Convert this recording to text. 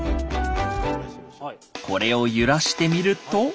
これを揺らしてみると。